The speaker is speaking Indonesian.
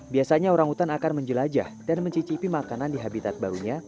biasanya orang hutan akan menjelajah dan mencicipi makanan di habitat barunya